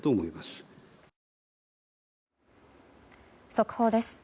速報です。